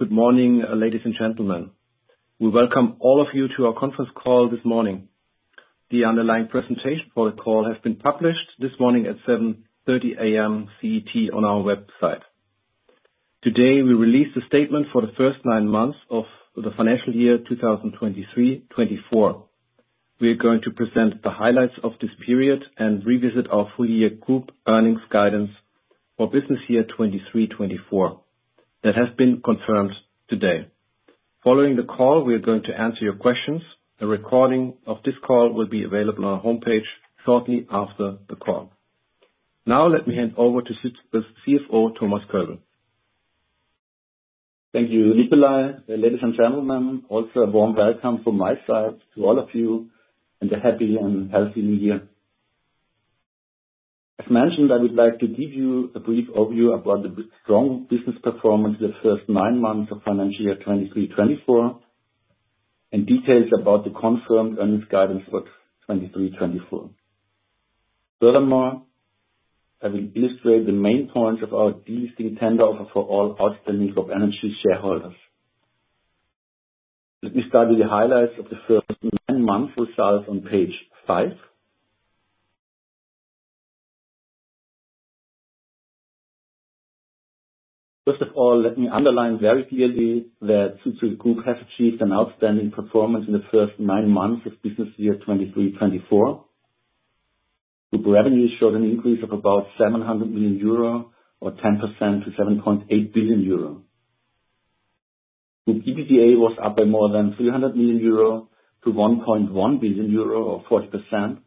Good morning, ladies and gentlemen. We welcome all of you to our conference call this morning. The underlying presentation for the call has been published this morning at 7:30 A.M. CET on our website. Today, we release the statement for the first nine months of the financial year, 2023/24. We are going to present the highlights of this period and revisit our full year group earnings guidance for business year 2023/24. That has been confirmed today. Following the call, we are going to answer your questions. A recording of this call will be available on our homepage shortly after the call. Now let me hand over to the CFO, Thomas Kölbl. Thank you, Nikolai. Ladies and gentlemen, also a warm welcome from my side to all of you, and a happy and healthy new year. As mentioned, I would like to give you a brief overview about the very strong business performance the first nine months of financial year 2023/24, and details about the confirmed earnings guidance for 2023/24. Furthermore, I will illustrate the main points of our delisting tender offer for all outstanding CropEnergies shareholders. Let me start with the highlights of the first nine months, which starts on page five. First of all, let me underline very clearly that Südzucker Group has achieved an outstanding performance in the first nine months of business year 2023/24. Group revenue showed an increase of about 700 million euro, or 10% to 7.8 billion euro. The EBITDA was up by more than 300 million-1.1 billion euro, or 40%,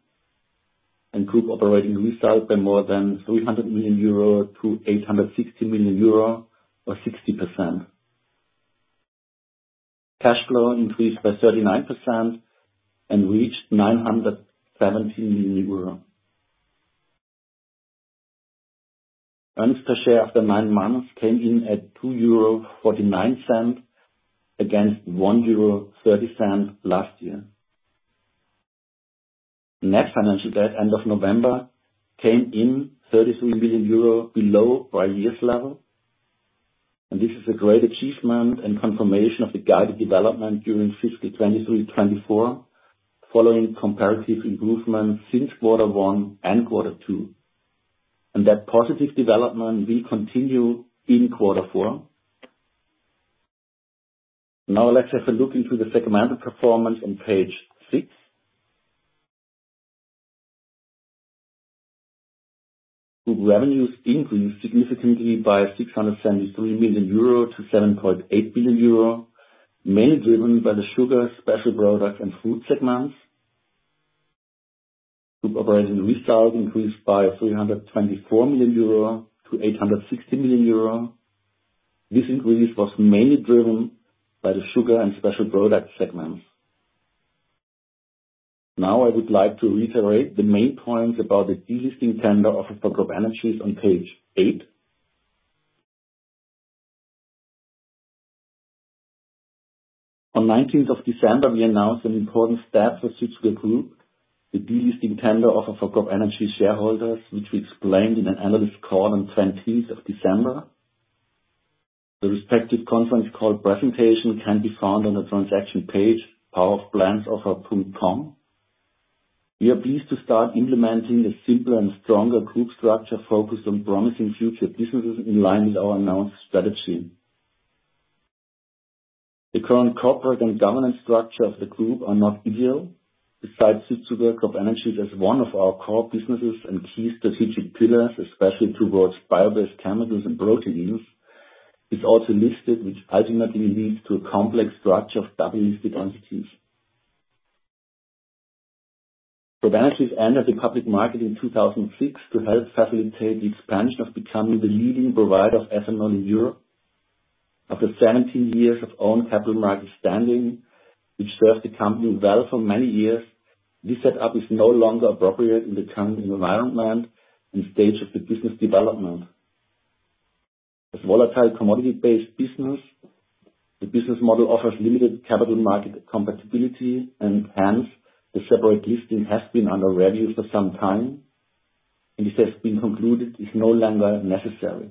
and group operating results by more than 300 million-860 million euro, or 60%. Cash flow increased by 39% and reached EUR 970 million. Earnings per share after nine months came in at 2.49 euro, against 1.30 euro last year. Net financial debt, end of November, came in 300 million euro below prior year's level, and this is a great achievement and confirmation of the guided development during 2023/24, following comparative improvement since quarter one and quarter two. That positive development will continue in quarter four. Now let's have a look into the segmental performance on page six. Group revenues increased significantly by 673 million euro to 7.8 billion euro, mainly driven by the sugar, special products, and fruit segments. Group operating results increased by 324 million-860 million euro. This increase was mainly driven by the sugar and special products segments. Now I would like to reiterate the main points about the delisting tender offer for CropEnergies on page eight. On 19th December, we announced an important step for Südzucker Group, the delisting tender offer for CropEnergies shareholders, which we explained in an analyst call on 20th December. The respective conference call presentation can be found on the transaction page, cropenergiesoffer.com. We are pleased to start implementing a simpler and stronger group structure focused on promising future businesses in line with our announced strategy. The current corporate and governance structure of the group are not ideal. Besides, Südzucker, CropEnergies as one of our core businesses and key strategic pillars, especially towards bio-based chemicals and proteins, is also listed, which ultimately leads to a complex structure of double-listed entities. CropEnergies entered the public market in 2006 to help facilitate the expansion of becoming the leading provider of ethanol in Europe. After 17 years of own capital market standing, which served the company well for many years, this setup is no longer appropriate in the current environment and stage of the business development. As volatile commodity-based business, the business model offers limited capital market compatibility, and hence, the separate listing has been under review for some time, and it has been concluded it's no longer necessary.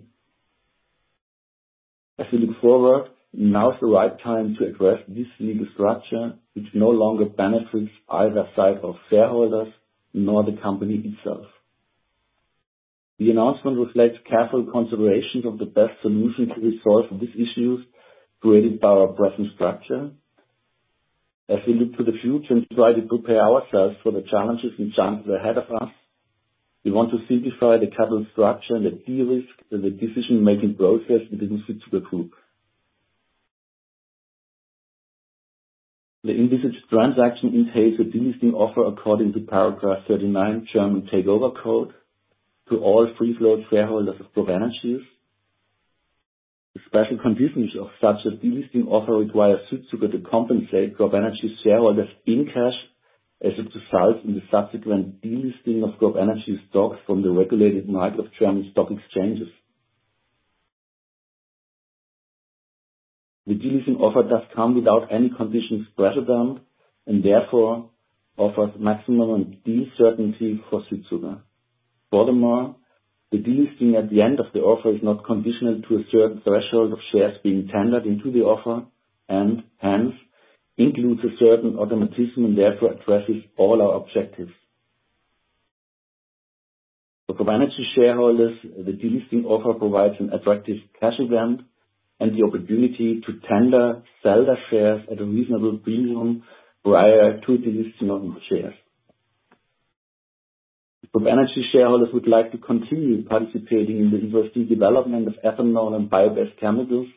As we look forward, now is the right time to address this legal structure, which no longer benefits either side of shareholders, nor the company itself. The announcement reflects careful considerations of the best solution to resolve these issues created by our present structure. As we look to the future and try to prepare ourselves for the challenges and chances ahead of us, we want to simplify the capital structure and the de-risk the decision-making process in business to the group. The envisaged transaction entails a delisting offer according to Paragraph 39, German Takeover Code, to all free float shareholders of CropEnergies. The special conditions of such a delisting offer require Südzucker to compensate CropEnergies shareholders in cash, as it results in the subsequent delisting of CropEnergies stocks from the regulated market of German stock exchanges. The delisting offer does come without any conditions precedent, and therefore, offers maximum certainty for Südzucker. Furthermore, the delisting at the end of the offer is not conditional to a certain threshold of shares being tendered into the offer, and hence, includes a certain automatism and therefore addresses all our objectives. For CropEnergies shareholders, the delisting offer provides an attractive cash event and the opportunity to tender, sell their shares at a reasonable premium prior to delisting of the shares. CropEnergies shareholders would like to continue participating in the interesting development of ethanol and bio-based chemicals.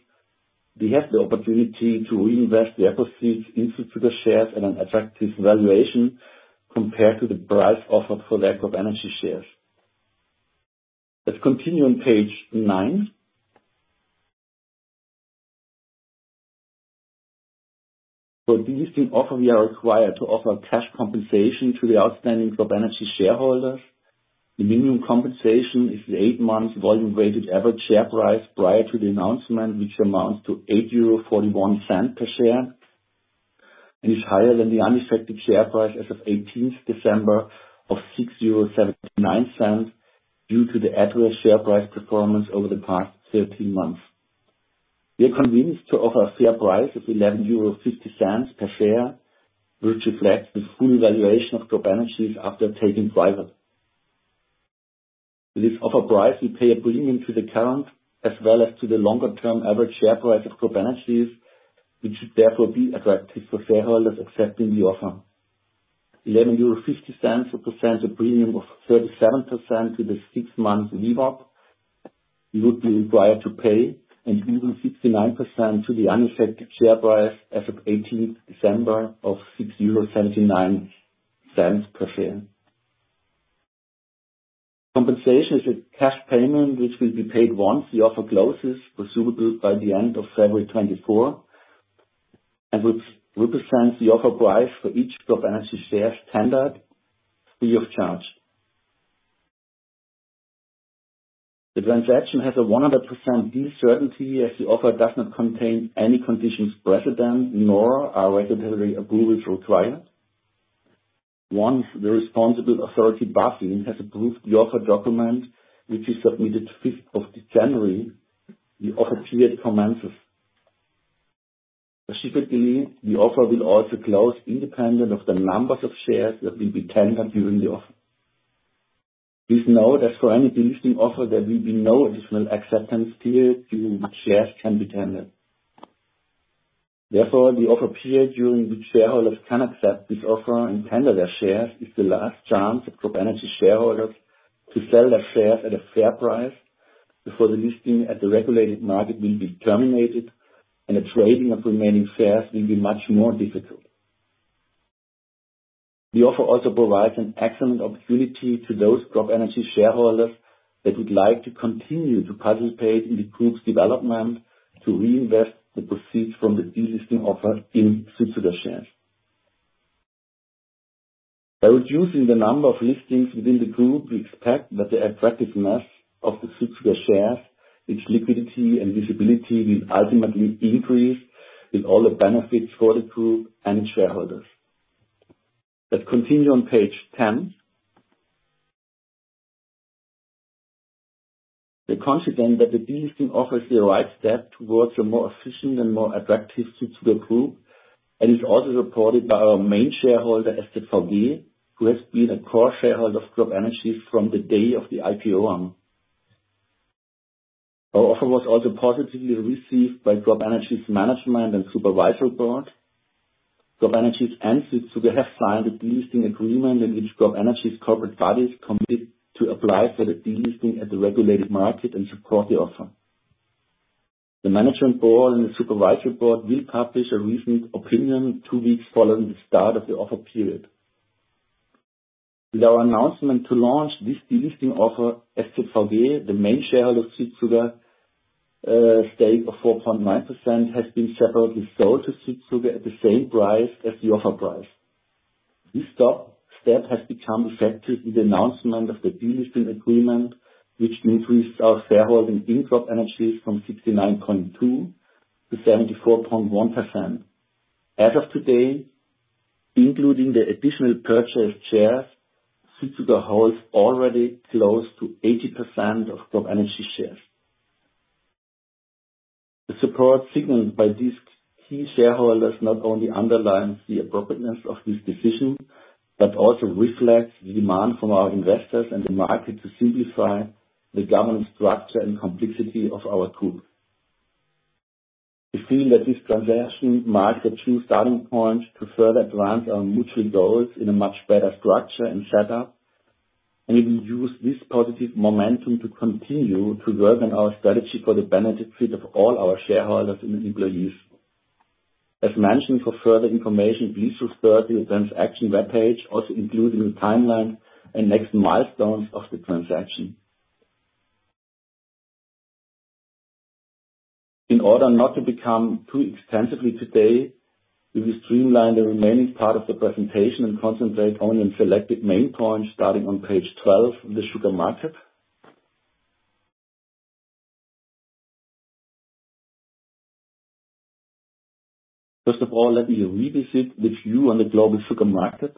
We have the opportunity to reinvest the proceeds into sugar shares at an attractive valuation compared to the price offered for the CropEnergies shares. Let's continue on page nine. For delisting offer, we are required to offer cash compensation to the outstanding CropEnergies shareholders. The minimum compensation is the eight month volume-weighted average share price prior to the announcement, which amounts to 8.41 euro per share, and is higher than the unaffected share price as of 18th December of 6.79 euro, due to the adverse share price performance over the past 13 months. We are convinced to offer a fair price of 11.50 euros per share, which reflects the full valuation of CropEnergies after taking private. With this offer price, we pay a premium to the current, as well as to the longer-term average share price of CropEnergies, which should therefore be attractive for shareholders accepting the offer. 11.50 euro represents a premium of 37% to the six-month, we would be required to pay, and even 69% to the unaffected share price as of 18 December, of 6.79 euro per share. Compensation is a cash payment, which will be paid once the offer closes, presumably by the end of February 2024, and which represents the offer price for each CropEnergies share tendered free of charge. The transaction has a 100% deal certainty, as the offer does not contain any conditions precedent, nor are regulatory approvals required. Once the responsible authority, BaFin, has approved the offer document, which is submitted 5 January, the offer period commences. Specifically, the offer will also close independent of the numbers of shares that will be tendered during the offer. Please note that for any delisting offer, there will be no additional acceptance period during which shares can be tendered. Therefore, the offer period during which shareholders can accept this offer and tender their shares is the last chance for CropEnergies shareholders to sell their shares at a fair price before the listing at the regulated market will be terminated, and the trading of remaining shares will be much more difficult. The offer also provides an excellent opportunity to those CropEnergies shareholders that would like to continue to participate in the group's development, to reinvest the proceeds from the delisting offer in future shares. By reducing the number of listings within the group, we expect that the attractiveness of the future shares, its liquidity and visibility, will ultimately increase with all the benefits for the group and its shareholders. Let's continue on page ten. We are confident that the delisting offer is the right step towards a more efficient and more attractive future group, and is also supported by our main shareholder, SZVG, who has been a core shareholder of CropEnergies from the day of the IPO on. Our offer was also positively received by CropEnergies's management and supervisory board. CropEnergies's entities have signed a delisting agreement in which CropEnergies's corporate bodies commit to apply for the delisting at the regulated market and support the offer. The management board and the supervisory board will publish a recent opinion two weeks following the start of the offer period. With our announcement to launch this delisting offer, SZVG, the main shareholder of Südzucker, stake of 4.9%, has been separately sold to Südzucker at the same price as the offer price. This stock step has become effective with the announcement of the delisting agreement, which increased our shareholding in CropEnergies from 69.2%-74.1%. As of today, including the additional purchased shares, Südzucker holds already close to 80% of CropEnergies shares. The support signaled by these key shareholders not only underlines the appropriateness of this decision, but also reflects the demand from our investors and the market to simplify the governance structure and complexity of our group. We feel that this transaction marks a true starting point to further advance our mutual goals in a much better structure and setup, and we will use this positive momentum to continue to work on our strategy for the benefit of all our shareholders and employees. As mentioned, for further information, please refer to the transaction webpage, also including the timeline and next milestones of the transaction. In order not to become too extensively today, we will streamline the remaining part of the presentation and concentrate only on selected main points, starting on page 12, the sugar market. First of all, let me revisit the view on the global sugar market.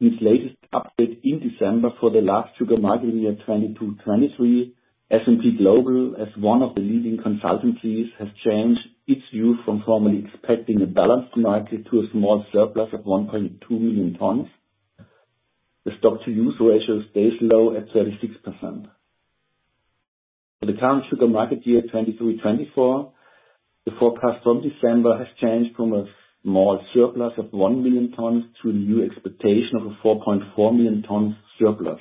This latest update in December for the last sugar marketing year, 2022/23, S&P Global, as one of the leading consultancies, has changed its view from formerly expecting a balanced market to a small surplus of 1.2 million tons. The stock-to-use ratio stays low at 36%. For the current sugar marketing year, 2023/24, the forecast from December has changed from a small surplus of 1 million tons to a new expectation of a 4.4 million ton surplus.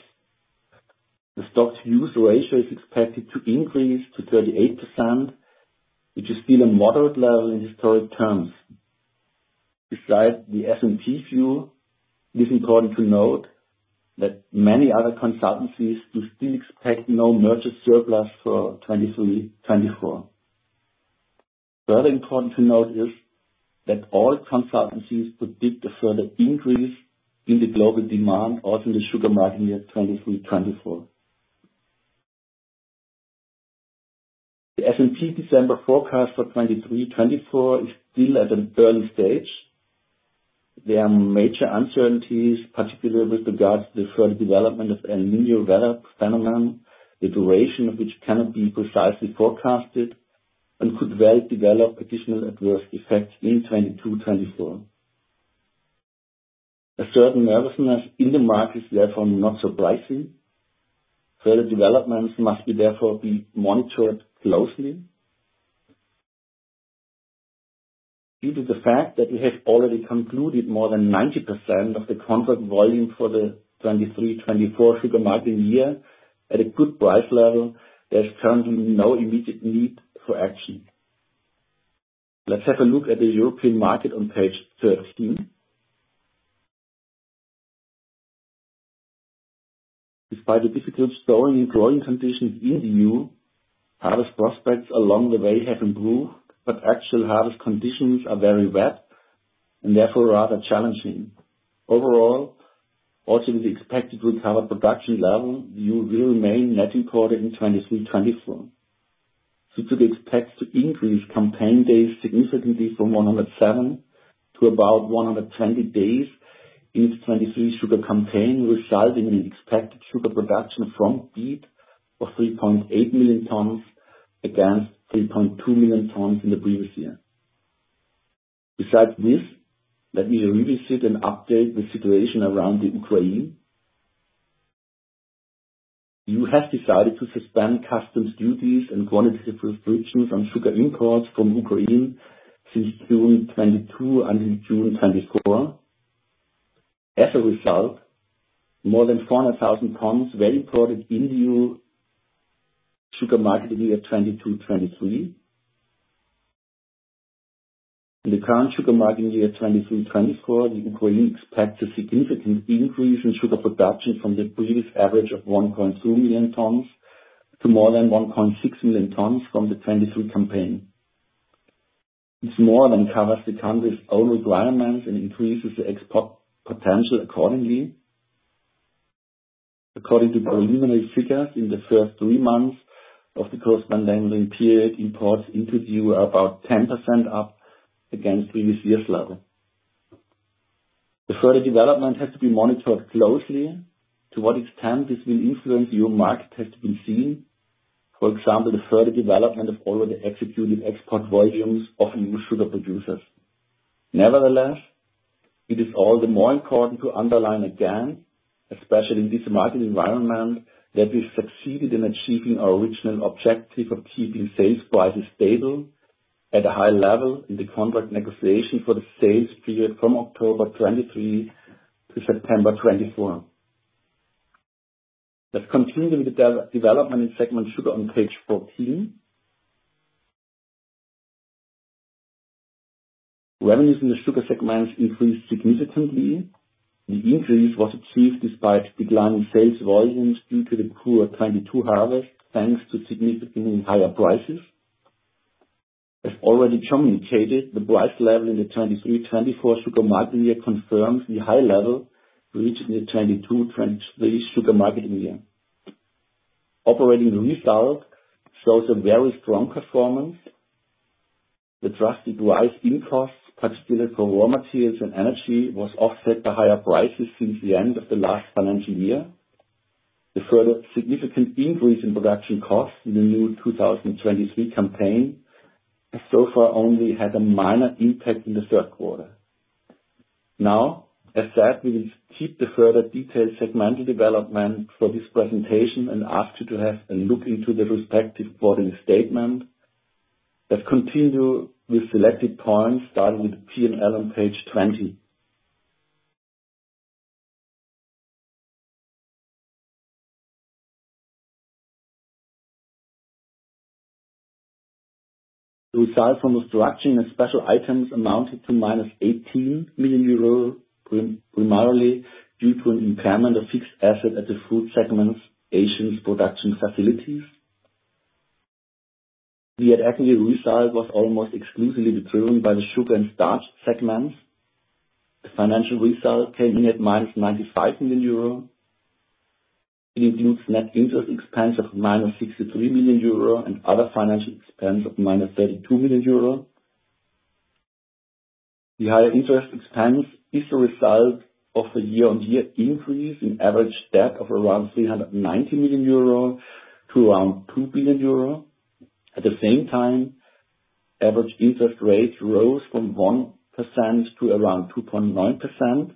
The stock-to-use ratio is expected to increase to 38%, which is still a moderate level in historic terms. Besides the S&P view, it is important to note that many other consultancies do still expect no merchant surplus for 2023-2024. Further important to note is that all consultancies predict a further increase in the global demand, also in the sugar market year 2023-2024. The S&P December forecast for 2023-2024 is still at an early stage. There are major uncertainties, particularly with regards to the further development of El Niño weather phenomenon, the duration of which cannot be precisely forecasted and could well develop additional adverse effects in 2023-2024. A certain nervousness in the market is therefore not surprising. Further developments must therefore be monitored closely. Due to the fact that we have already concluded more than 90% of the contract volume for the 2023/24 sugar marketing year at a good price level, there's currently no immediate need for action. Let's have a look at the European market on page 13. Despite the difficult sowing and growing conditions in the EU, harvest prospects along the way have improved, but actual harvest conditions are very wet and therefore rather challenging. Overall, also with the expected recovered production level, EU will remain net imported in 2023/24. Sugar is expected to increase campaign days significantly from 107 to about 120 days in the 2023 sugar campaign, resulting in an expected sugar production from beet of 3.8 million tons, against 3.2 million tons in the previous year. Besides this, let me revisit and update the situation around the Ukraine. EU has decided to suspend customs duties and quantity restrictions on sugar imports from Ukraine since June 2022 until June 2024. As a result, more than 400,000 tons were imported in the EU sugar marketing year 2022/23. In the current sugar marketing year 2023/24, Ukraine expects a significant increase in sugar production from the previous average of 1.2 million tons to more than 1.6 million tons from the 2023 campaign. This more than covers the country's own requirements and increases the export potential accordingly. According to preliminary figures, in the first three months of the corresponding period, imports into the EU are about 10% up against previous year's level. The further development has to be monitored closely. To what extent this will influence EU market has been seen. For example, the further development of already executed export volumes of EU sugar producers. Nevertheless, it is all the more important to underline again, especially in this market environment, that we succeeded in achieving our original objective of keeping sales prices stable at a high level in the contract negotiation for the sales period from October 2023 to September 2024. Let's continue with the development in segment sugar on page 14. Revenues in the sugar segments increased significantly. The increase was achieved despite declining sales volumes due to the poor 2022 harvest, thanks to significantly higher prices. As already communicated, the price level in the 2023-2024 sugar marketing year confirms the high level reached in the 2022-2023 sugar marketing year. Operating result shows a very strong performance. The drastic rise in costs, particularly for raw materials and energy, was offset by higher prices since the end of the last financial year. The further significant increase in production costs in the new 2023 campaign has so far only had a minor impact in the third quarter. Now, as said, we will keep the further detailed segmental development for this presentation and ask you to have a look into the respective quarterly statement. Let's continue with selected points, starting with the P&L on page 20. The result from structuring and special items amounted to -18 million euro, primarily due to an impairment of fixed asset at the fruit segment''s Asian production facilities. The activity result was almost exclusively driven by the sugar and starch segments. The financial result came in at -95 million euro. It includes net interest expense of -63 million euro and other financial expense of -32 million euro. The higher interest expense is a result of the year-on-year increase in average debt of around 390 million euro to around 2 billion euro. At the same time, average interest rate rose from 1% to around 2.9%.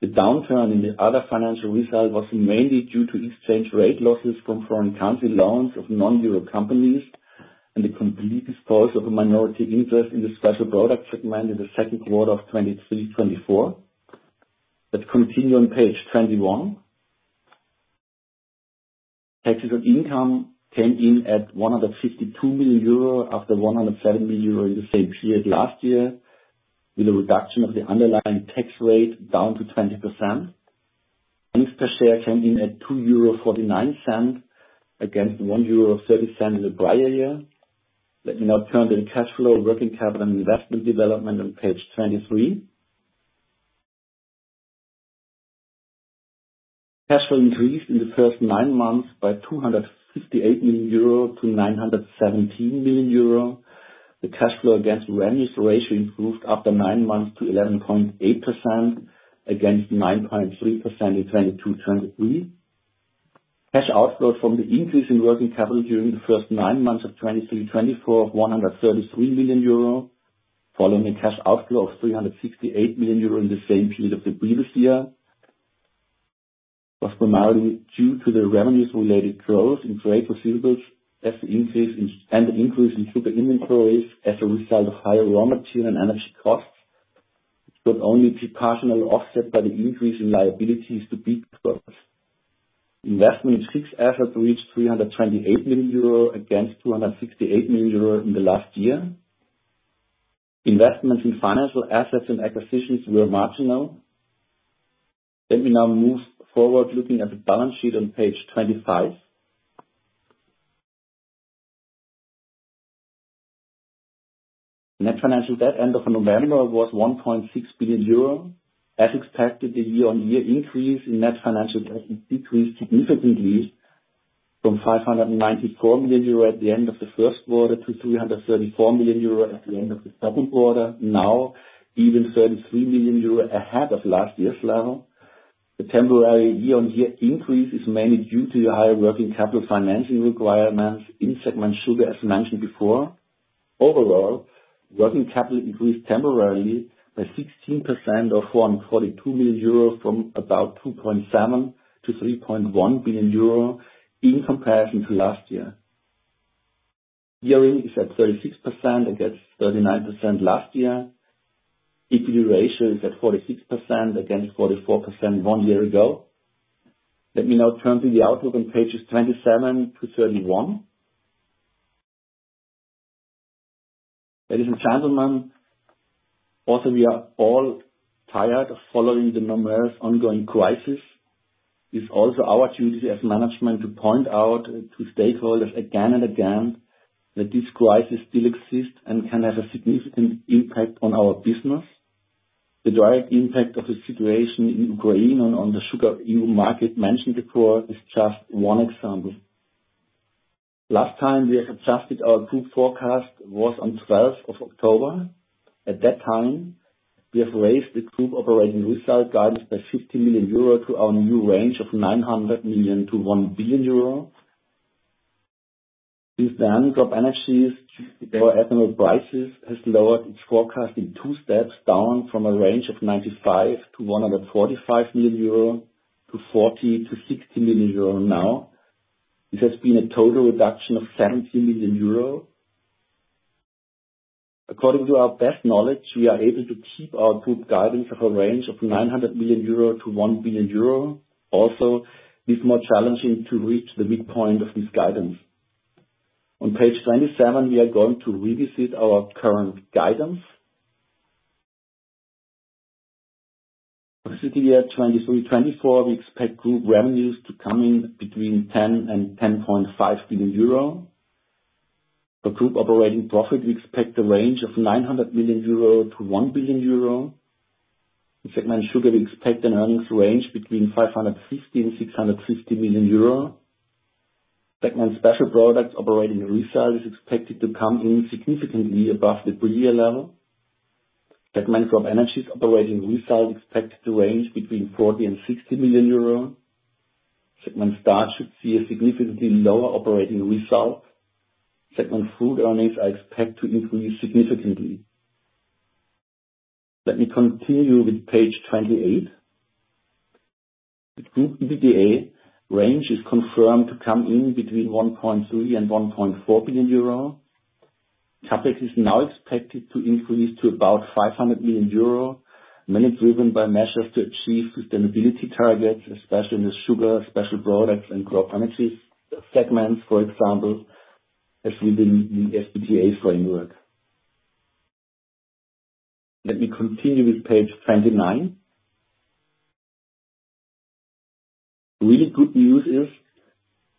The downturn in the other financial result was mainly due to exchange rate losses from foreign currency loans of non-euro companies, and the complete disposal of a minority interest in the Special Products segment in the second quarter of 2023, 2024. Let's continue on page 21. Taxes on income came in at 152 million euro, after 107 million euro in the same period last year, with a reduction of the underlying tax rate down to 20%. Earnings per share came in at €2.49, against €1.30 in the prior year. Let me now turn to the cash flow, working capital, and investment development on page 23. Cash flow increased in the first nine months by 258 million-917 million euro. The cash flow against revenues ratio improved after nine months to 11.8% against 9.3% in 2022/23. Cash outflows from the increase in working capital during the first nine months of 2023/24 of 133 million euro, following a cash outflow of 368 million euro in the same period of the previous year, was primarily due to the revenue-related growth in trade receivables as the increase in and increase in sugar inventories as a result of higher raw material and energy costs, which could only be partially offset by the increase in liabilities to beet growers. Investment in fixed assets reached 328 million euro, against 268 million euro in the last year. Investments in financial assets and acquisitions were marginal. Let me now move forward, looking at the balance sheet on page 25. Net financial debt end of November was 1.6 billion euro. As expected, the year-on-year increase in net financial debt decreased significantly from 594 million euro at the end of the first quarter to 334 million euro at the end of the second quarter, now even 33 million euro ahead of last year's level. The temporary year-on-year increase is mainly due to the higher working capital financing requirements in segment sugar, as mentioned before. Overall, working capital increased temporarily by 16% or 142 million euro from about 2.7 billion-3.1 billion euro in comparison to last year. Gearing is at 36% against 39% last year. Equity ratio is at 46% against 44% one year ago. Let me now turn to the outlook on pages 27-31. Ladies and gentlemen, also, we are all tired of following the numerous ongoing crises. It's also our duty as management to point out to stakeholders again and again, that this crisis still exists and can have a significant impact on our business. The direct impact of the situation in Ukraine on the sugar EU market mentioned before is just one example. Last time we have adjusted our group forecast was on 12th of October. At that time, we have raised the group operating result guidance by 50 million euro to our new range of 900 million-1 billion euro. Since then, CropEnergies or ethanol prices has lowered its forecast in two steps, down from a range of 95 million-145 million euro to 40 million-60 million euro now. This has been a total reduction of 70 million euro. According to our best knowledge, we are able to keep our group guidance of a range of 900 million-1 billion euro. Also, it's more challenging to reach the midpoint of this guidance. On page 27, we are going to revisit our current guidance. For fiscal year 2023/24, we expect group revenues to come in between 10 billion and 10.5 billion euro. For group operating profit, we expect a range of 900 million-1 billion euro. In segment Sugar, we expect an earnings range between 550 million and 650 million euro. Segment Special Products operating result is expected to come in significantly above the prior year level. Segment CropEnergies operating result expected to range between 40 million and 60 million euros. Segment Starch should see a significantly lower operating result. Segment Fruit earnings are expected to increase significantly. Let me continue with page 28. The group EBITDA range is confirmed to come in between 1.3 billion and 1.4 billion euro. CapEx is now expected to increase to about 500 million euro, mainly driven by measures to achieve sustainability targets, especially in the sugar, special products, and CropEnergies segments, for example, as within the SBTi framework. Let me continue with page 29. Really good news is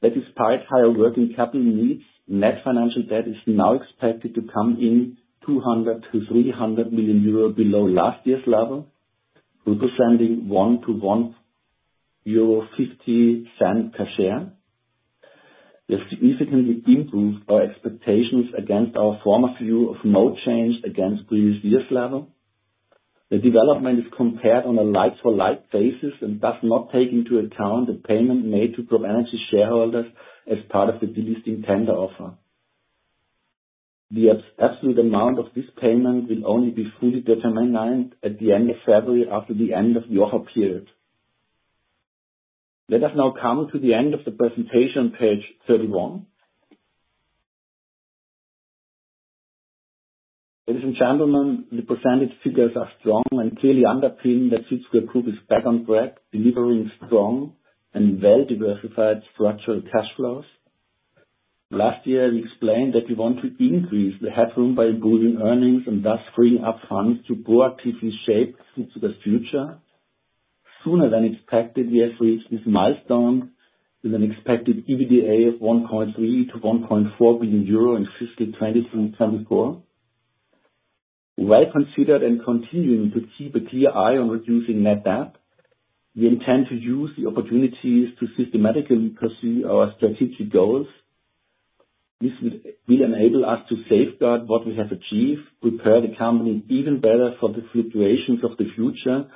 that. That is partly higher working capital needs, net financial debt is now expected to come in 200 million-300 million euro below last year's level, representing 1-1.50 euro per share. This significantly improved our expectations against our former view of no change against previous year's level. The development is compared on a like-for-like basis and does not take into account the payment made to CropEnergies shareholders as part of the delisting tender offer. The absolute amount of this payment will only be fully determined at the end of February, after the end of the offer period. Let us now come to the end of the presentation, page 31. Ladies and gentlemen, the percentage figures are strong and clearly underpinning that Südzucker Group is back on track, delivering strong and well-diversified structural cash flows. Last year, we explained that we want to increase the headroom by improving earnings and thus freeing up funds to proactively shape into the future. Sooner than expected, we have reached this milestone with an expected EBITDA of 1.3 billion-1.4 billion euro in fiscal 2023/24. Well considered and continuing to keep a clear eye on reducing net debt, we intend to use the opportunities to systematically pursue our strategic goals. This will enable us to safeguard what we have achieved, prepare the company even better for the fluctuations of the future,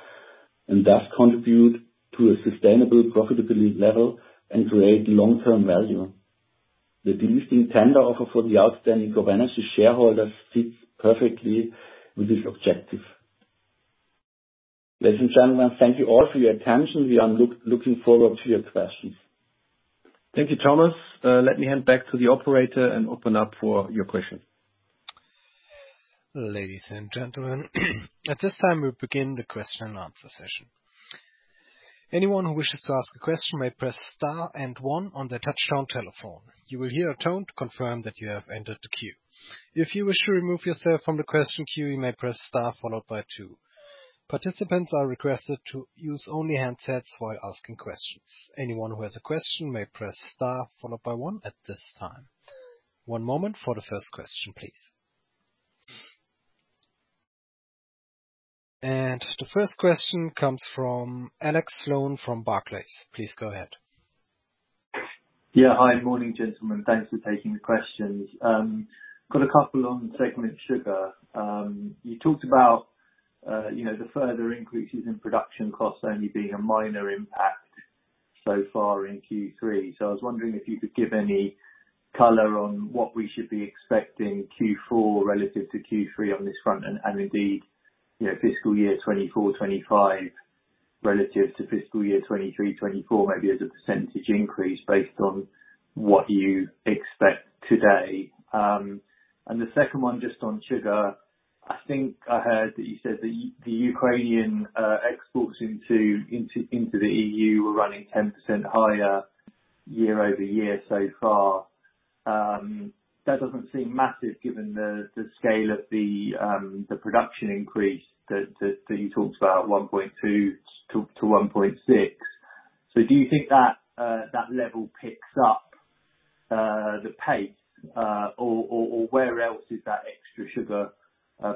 and thus contribute to a sustainable profitability level and create long-term value. The delisting tender offer for the outstanding governance shareholders fits perfectly with this objective. Ladies and gentlemen, thank you all for your attention. We are looking forward to your questions. Thank you, Thomas. Let me hand back to the operator and open up for your questions. Ladies and gentlemen, at this time, we'll begin the question and answer session. Anyone who wishes to ask a question may press star and one on their touchtone telephone. You will hear a tone to confirm that you have entered the queue. If you wish to remove yourself from the question queue, you may press star followed by two. Participants are requested to use only handsets while asking questions. Anyone who has a question may press star followed by one at this time. One moment for the first question, please. The first question comes from Alex Sloane from Barclays. Please go ahead. Yeah. Hi, morning, gentlemen. Thanks for taking the questions. Got a couple on segment sugar. You talked about, you know, the further increases in production costs only being a minor impact so far in Q3. So I was wondering if you could give any color on what we should be expecting Q4 relative to Q3 on this front, and, and indeed, you know, fiscal year 2024/2025 relative to fiscal year 2023/2024, maybe as a percentage increase based on what you expect today. And the second one, just on sugar, I think I heard that you said the Ukrainian exports into the EU were running 10% higher year-over-year so far. That doesn't seem massive, given the scale of the production increase that you talked about, 1.2-1.6. So do you think that that level picks up the pace, or where else is that extra sugar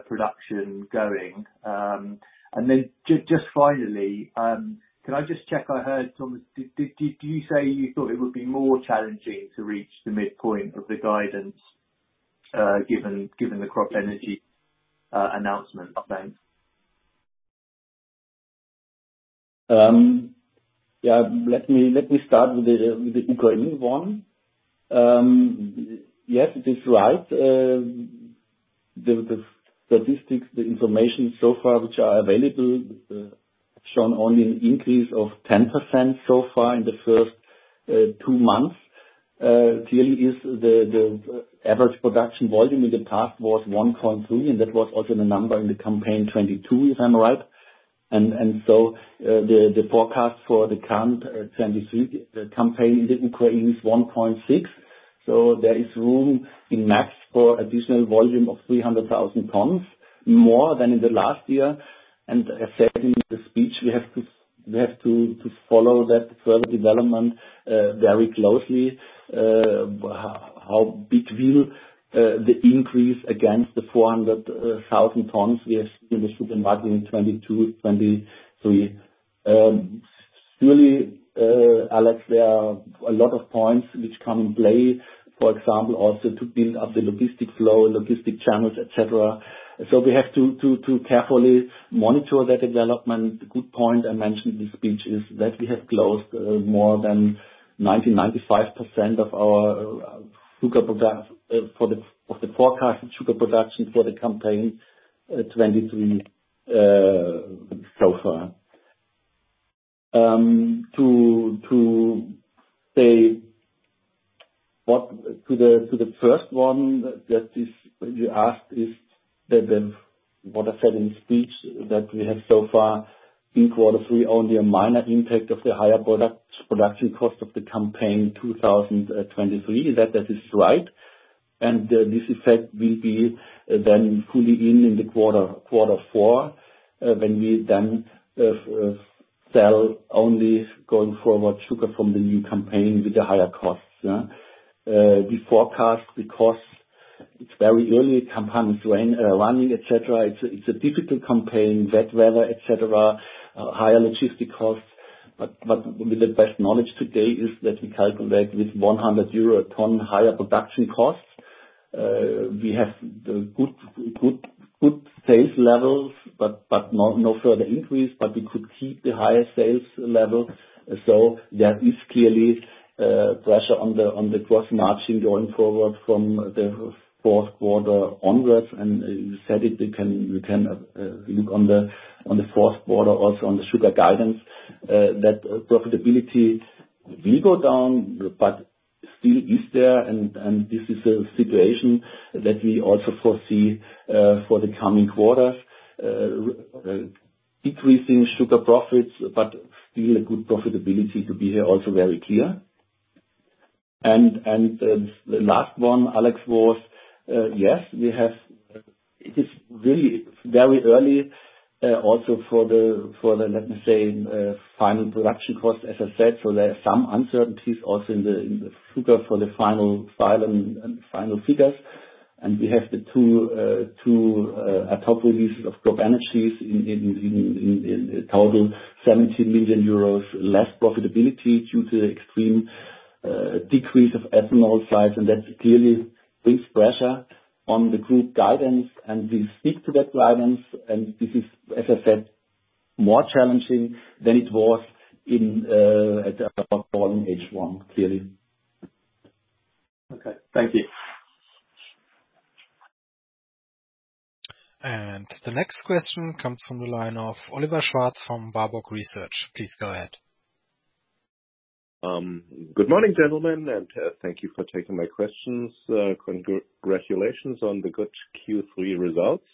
production going? And then just finally, can I just check, I heard Thomas, did you say you thought it would be more challenging to reach the midpoint of the guidance, given the CropEnergies announcement? Thanks. Yeah, let me start with the Ukrainian one. Yes, it is right. The statistics, the information so far which are available, shown only an increase of 10% so far in the first two months. Clearly is the average production volume in the past was 1.2, and that was also the number in the campaign 2022, if I'm right. And so, the forecast for the current 2023, the campaign in the Ukraine is 1.6. So there is room in max for additional volume of 300,000 tons, more than in the last year. And as said in the speech, we have to follow that further development very closely. How big will the increase against the 400,000 tons we have in the sugar marketing 2022/23? Really, Alex, there are a lot of points which come in play, for example, also to build up the logistics flow, logistic channels, et cetera. So we have to carefully monitor that development. The good point I mentioned in the speech is that we have closed more than 95% of our sugar product for the forecasted sugar production for the campaign 2023 so far. To say what to the first one that is, you asked, is that the what I said in speech, that we have so far in quarter three, only a minor impact of the higher product production cost of the campaign 2023, that that is right. And this effect will be then fully in the quarter four, when we then sell only going forward sugar from the new campaign with the higher costs, yeah. We forecast the costs, it's very early campaigns running, et cetera. It's a difficult campaign, wet weather, et cetera, higher logistic costs, but with the best knowledge today is that we calculate with 100 EUR/ton higher production costs. We have good sales levels, but no further increase, but we could keep the higher sales level. That is clearly pressure on the gross margin going forward from the fourth quarter onwards, and you said it. You can look on the fourth quarter also on the sugar guidance, that profitability will go down, but still is there. This is a situation that we also foresee for the coming quarters, decreasing sugar profits, but still a good profitability to be here, also very clear. The last one, Alex, was yes, it is really very early also for the, let me say, final production cost, as I said, so there are some uncertainties also in the sugar for the final figures. We have too a total loss of CropEnergies in total 17 million euros less profitability due to the extreme decrease of ethanol sales. And that clearly brings pressure on the group guidance, and we stick to that guidance. And this is, as I said, more challenging than it was in at about volume H1, clearly. Okay, thank you. The next question comes from the line of Oliver Schwarz, from Warburg Research. Please go ahead. Good morning, gentlemen, and thank you for taking my questions. Congratulations on the good Q3 results.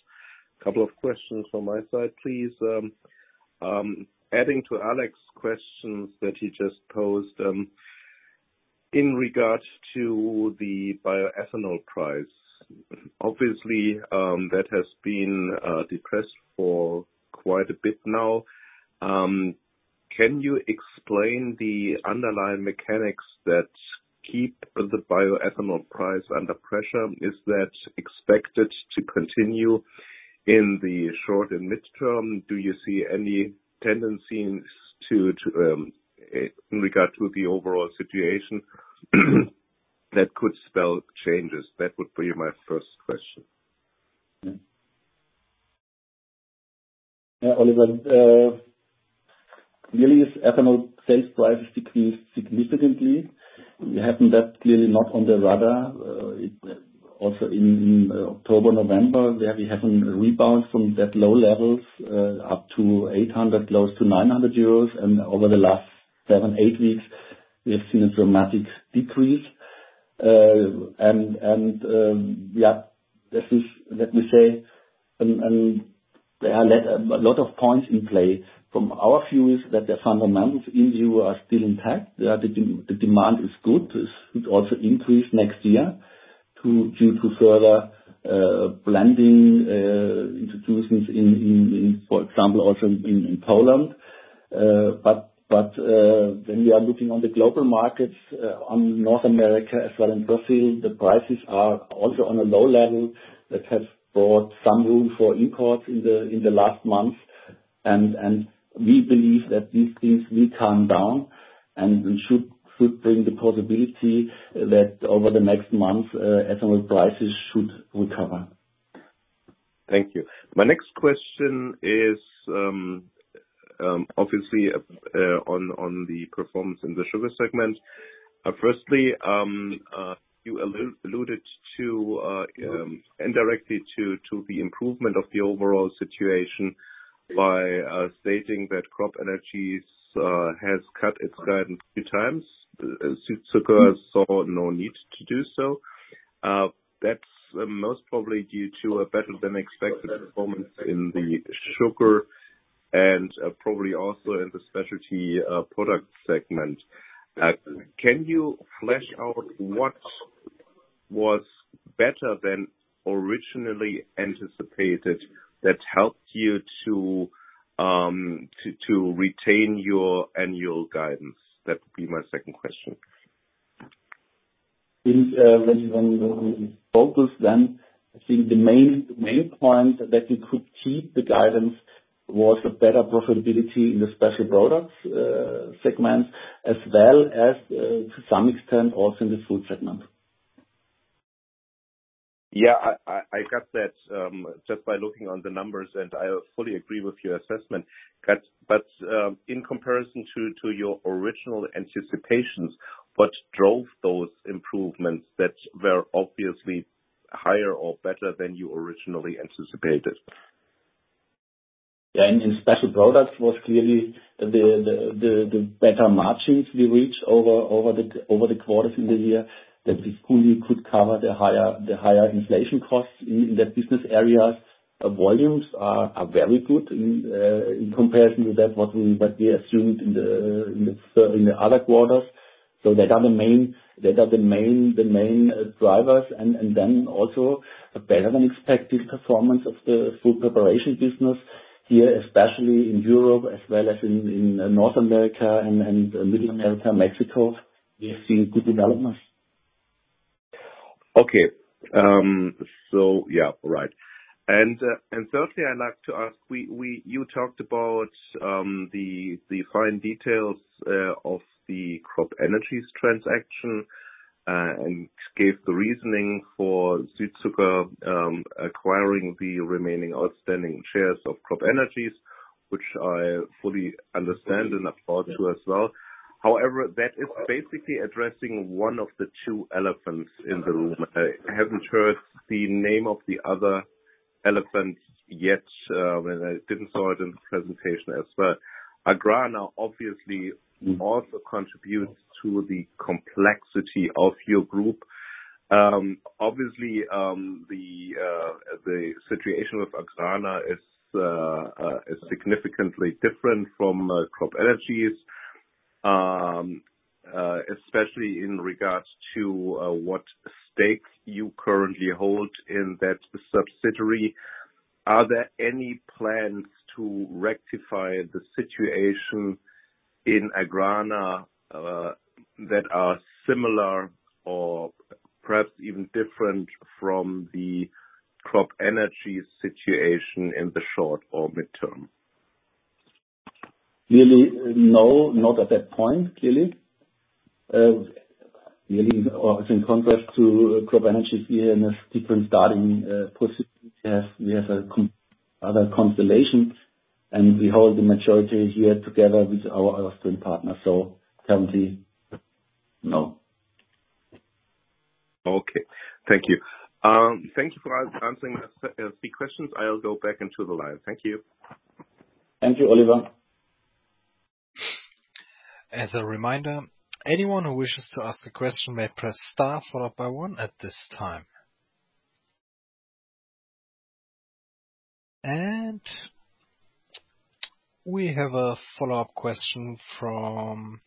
Couple of questions from my side, please. Adding to Alex's questions that he just posed, in regards to the bioethanol price, obviously, that has been depressed for quite a bit now. Can you explain the underlying mechanics that keep the bioethanol price under pressure? Is that expected to continue in the short and midterm? Do you see any tendencies to in regard to the overall situation that could spell changes? That would be my first question. Yeah, Oliver, really, the ethanol sales price decreased significantly. We had that clearly not on the radar. It also, in October, November, where we had a rebound from that low levels, up to 800, close to 900 euros. And over the last seven to eight weeks, we have seen a dramatic decrease. And, yeah, this is, let me say, there are a lot of points in play. From our view, the fundamentals are still intact. The demand is good. This should also increase next year due to further blending obligations in, for example, also in Poland. But when we are looking on the global markets, on North America as well as Brazil, the prices are also on a low level that has brought some room for imports in the last months. And we believe that these things will calm down and should bring the possibility that over the next months, ethanol prices should recover. Thank you. My next question is, obviously, on the performance in the sugar segment. Firstly, you alluded to indirectly to the improvement of the overall situation by stating that CropEnergies has cut its guidance a few times. Sugar saw no need to do so. That's most probably due to a better than expected performance in the sugar and probably also in the special products segment. Can you flesh out what was better than originally anticipated that helped you to retain your annual guidance? That would be my second question. In, when we focus then, I think the main, main point that we could keep the guidance was a better profitability in the special products segment, as well as, to some extent, also in the fruit segment. Yeah, I got that just by looking on the numbers, and I fully agree with your assessment. But in comparison to your original anticipations, what drove those improvements that were obviously higher or better than you originally anticipated? Yeah, in special products was clearly the better margins we reached over the quarters in the year, that we fully could cover the higher inflation costs in that business areas. Volumes are very good in comparison to what we assumed in the other quarters. So those are the main drivers, and then also a better than expected performance of the fruit preparation business here, especially in Europe as well as in North America and Middle America, Mexico, we have seen good developments. Okay. So yeah, right. And thirdly, I'd like to ask, you talked about the fine details of the CropEnergies transaction and gave the reasoning for Südzucker acquiring the remaining outstanding shares of CropEnergies, which I fully understand and applaud you as well. However, that is basically addressing one of the two elephants in the room. I haven't heard the name of the other elephant yet and I didn't see it in the presentation as well. AGRANA obviously also contributes to the complexity of your group. Obviously, the situation with AGRANA is significantly different from CropEnergies, especially in regards to what stakes you currently hold in that subsidiary. Are there any plans to rectify the situation in AGRANA, that are similar or perhaps even different from the CropEnergies situation in the short or mid-term? Really, no, not at that point, really. Really, in contrast to CropEnergies, we have a different starting position. We have, we have a other constellation, and we hold the majority here together with our Austrian partner, so currently, no. Okay. Thank you. Thank you for answering my three questions. I'll go back into the line. Thank you. Thank you, Oliver. As a reminder, anyone who wishes to ask a question may press star followed by one at this time. We have a follow-up question from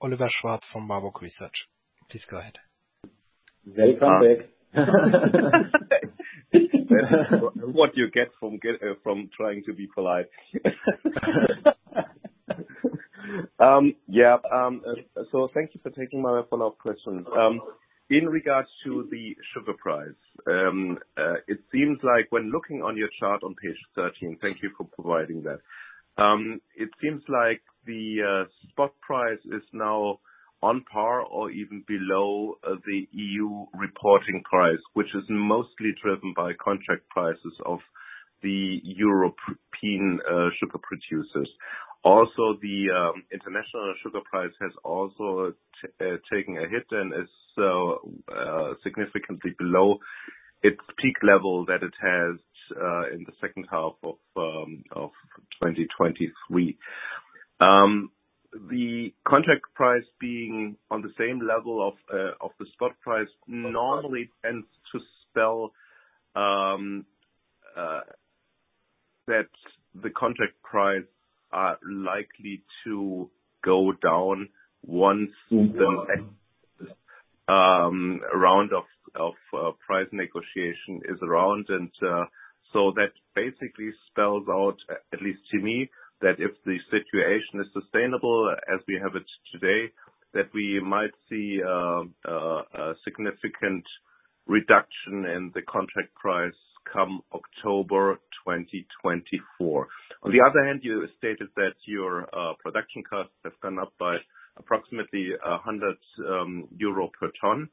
Oliver Schwarz, from Warburg Research. Please go ahead. Welcome back. What you get from trying to be polite. Yeah, so thank you for taking my follow-up question. In regards to the sugar price, it seems like when looking on your chart on page 13—thank you for providing that, it seems like the spot price is now on par or even below the EU reporting price, which is mostly driven by contract prices of the European sugar producers. Also, the international sugar price has also taken a hit and is significantly below its peak level that it has in the second half of 2023. The contract price being on the same level of the spot price normally tends to spell that the contract price are likely to go down once the round of price negotiation is around. And so that basically spells out, at least to me, that if the situation is sustainable as we have it today, that we might see a significant reduction in the contract price come October 2024. On the other hand, you stated that your production costs have gone up by approximately 100 euro per ton.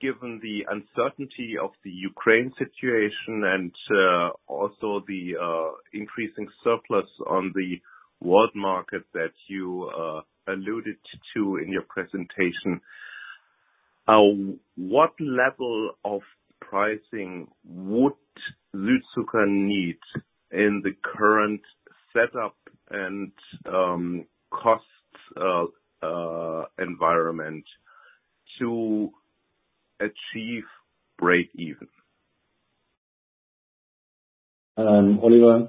Given the uncertainty of the Ukraine situation and also the increasing surplus on the world market that you alluded to in your presentation, what level of pricing would Südzucker need in the current setup and cost environment to achieve breakeven? Oliver,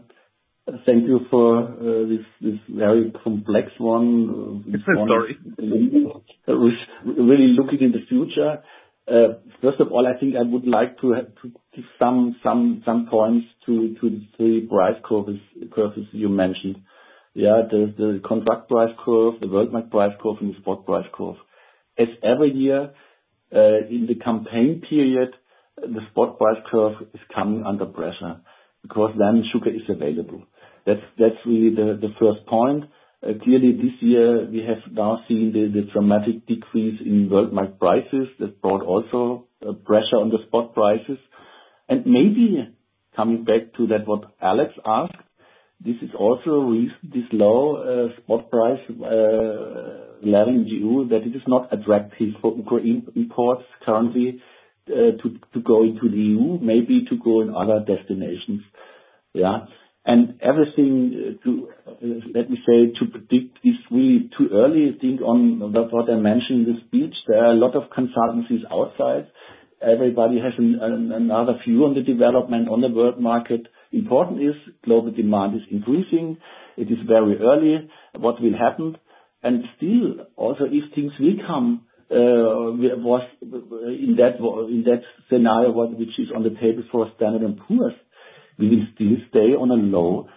thank you for this very complex one- I'm sorry. Really looking in the future, first of all, I think I would like to have, to give some points to the price curves you mentioned. Yeah, the contract price curve, the world market price curve, and the spot price curve. As every year, in the campaign period, the spot price curve is coming under pressure because then sugar is available. That's really the first point. Clearly, this year we have now seen the dramatic decrease in world market prices. That brought also a pressure on the spot prices. And maybe coming back to that, what Alex asked, this is also a reason, this low spot price level that it is not attractive for quota imports currently, to go into the EU, maybe to go in other destinations. Yeah. And everything to, let me say, to predict this really too early a thing on. That's what I mentioned in the speech. There are a lot of consultancies outside. Everybody has another view on the development on the world market. Important is, global demand is increasing. It is very early, what will happen, and still, also, if things will come, what, in that, in that scenario, which is on the table for Standard and Poor's, we will still stay on a low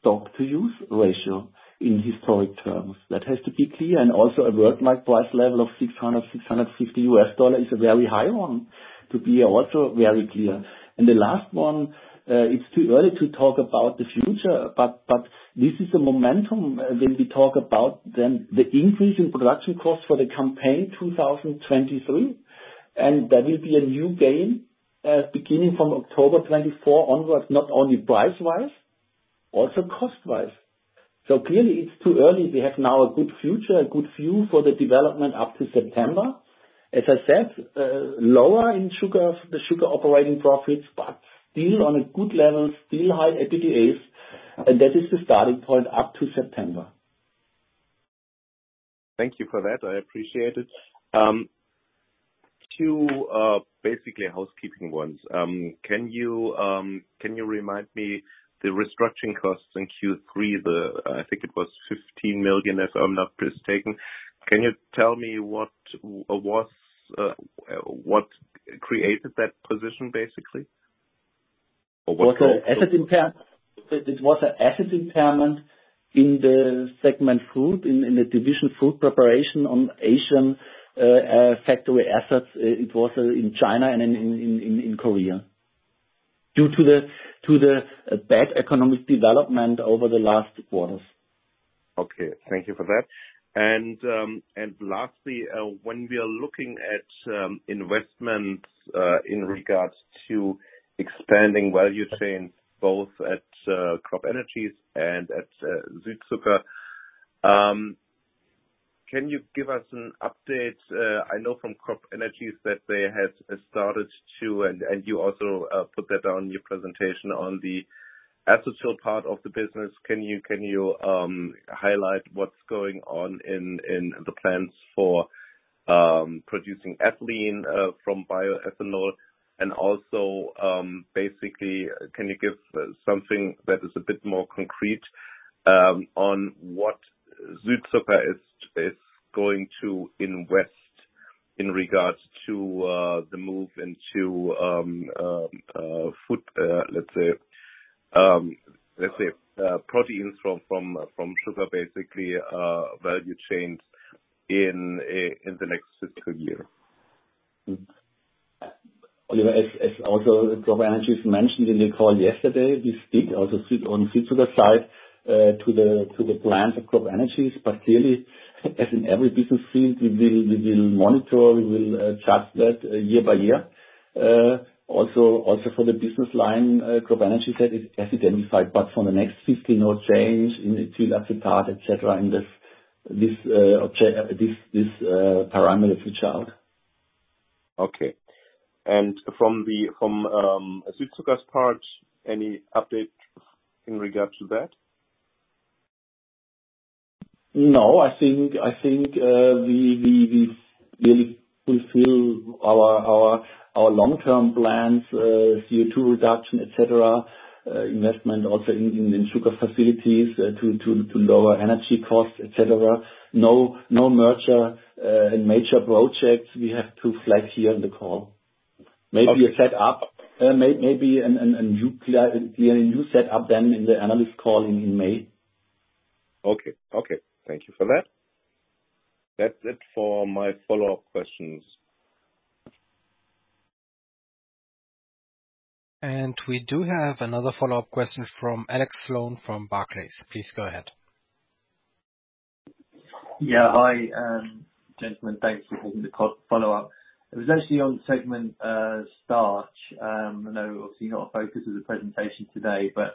stock-to-use ratio in historic terms. That has to be clear, and also a world market price level of $600-$650 is a very high one, to be also very clear. And the last one, it's too early to talk about the future, but, but this is the momentum when we talk about then the increase in production costs for the campaign 2023, and that will be a new game, beginning from October 2024 onwards, not only price-wise, also cost-wise. So clearly, it's too early. We have now a good future, a good view for the development up to September. As I said, lower in sugar, the sugar operating profits, but still on a good level, still high EBITDA, and that is the starting point up to September. Thank you for that. I appreciate it. Two basically housekeeping ones. Can you remind me the restructuring costs in Q3, the—I think it was 15 million, if I'm not mistaken. Can you tell me what was what created that position, basically? Or what was- It was an asset impairment in the segment fruit, in the division fruit preparation on Asian factory assets. It was in China and in Korea, due to the bad economic development over the last quarters. Okay, thank you for that. And lastly, when we are looking at investments in regards to expanding value chains, both at CropEnergies and at Südzucker, can you give us an update? I know from CropEnergies that they have started to, and you also put that on your presentation on the ethanol part of the business. Can you highlight what's going on in the plans for producing ethylene from bioethanol? And also, basically, can you give something that is a bit more concrete on what Südzucker is going to invest in regards to the move into food, let's say, proteins from sugar, basically, value chains in the next two years? As also CropEnergies mentioned in the call yesterday, we speak also on Südzucker side to the plant of CropEnergies. But clearly, as in every business field, we will monitor, we will chart that year by year. Also, for the business line CropEnergies has identified, but for the next 15 or change in the sugar part, et cetera, in this object, this parameter reach out. Okay. And from the Südzucker's part, any update in regards to that? No, I think we will fulfill our long-term plans, CO2 reduction, et cetera, investment also in sugar facilities to lower energy costs, et cetera. No merger and major projects we have to flag here on the call. Okay. Maybe a setup, maybe a new clearer setup then in the analyst call in May. Okay. Okay, thank you for that. That's it for my follow-up questions. We do have another follow-up question from Alex Sloane from Barclays. Please go ahead. Yeah. Hi, gentlemen, thanks for holding the call, follow-up. It was actually on the segment, starch. I know obviously not a focus of the presentation today, but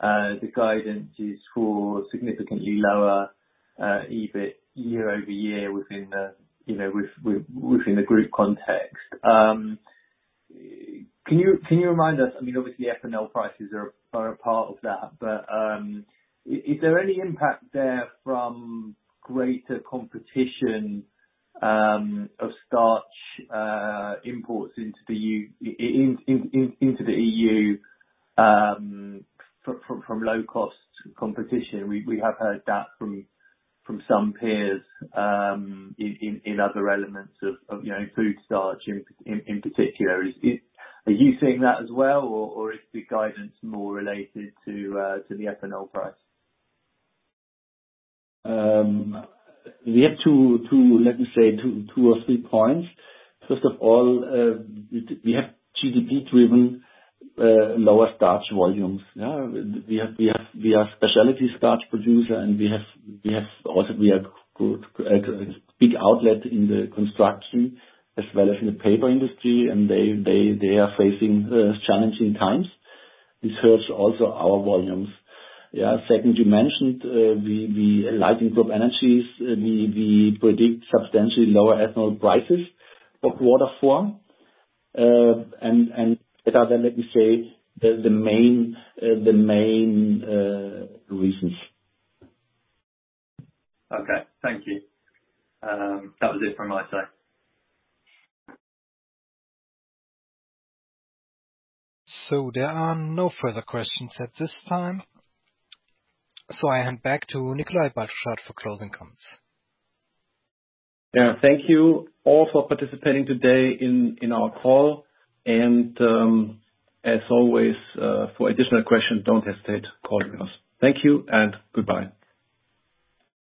the guidance is for significantly lower EBIT year-over-year within the, you know, within the group context. Can you remind us, I mean, obviously ethanol prices are a part of that, but is there any impact there from greater competition of starch imports into the EU from low cost competition? We have heard that from some peers in other elements of, you know, food starch, in particular. Are you seeing that as well, or is the guidance more related to the ethanol price? We have two or three points. First of all, we have GDP-driven lower starch volumes. Yeah, we are a specialty starch producer, and we also are a big outlet in the construction as well as in the paper industry, and they are facing challenging times. This hurts also our volumes. Yeah. Second, you mentioned, like in CropEnergies, we predict substantially lower ethanol prices of water form, and that are then the main reasons. Okay. Thank you. That was it from my side. There are no further questions at this time. I hand back to Nikolai Baltruschat for closing comments. Yeah. Thank you all for participating today in our call, and, as always, for additional questions, don't hesitate calling us. Thank you and goodbye.